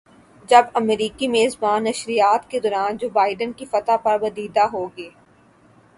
جب امریکی میزبان نشریات کے دوران جو بائیڈن کی فتح پر بدیدہ ہوگئے